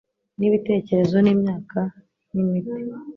Nibitekerezo Ni imyaka Ni imiti.